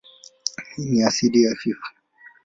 Hii ni asidi hafifu.